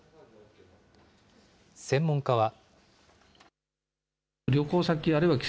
専門家は。